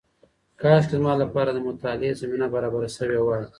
کاشکې زما لپاره د مطالعې زمینه برابره شوې وای.